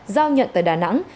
giao nhận tại đà nẵng